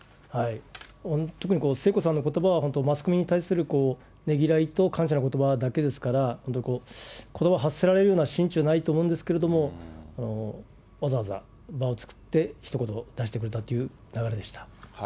特に聖子さんのことばは、本当、マスコミに対するねぎらいと感謝のことばだけですから、本当にことばを発せられるような心中じゃないと思うんですけれども、わざわざ場を作って、ひと言出してくれたという流れでした。